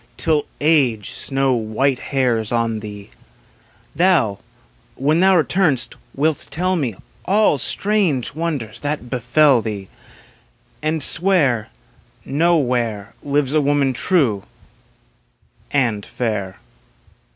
Till age snow white hairs on thee; Thou, when thou retum'st, wilt tell me All strange wonders that befell thee, And swear Nowhere Lives a woman true and fair.